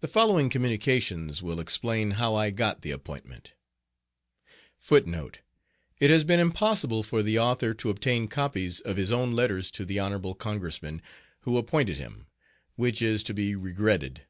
The following communications will explain how I got the appointment.* *It has been impossible for the author to obtain copies of his own letters to the Hon. Congressman who appointed him, which is to be regretted.